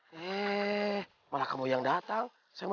hai eh malah kamu yang datang sama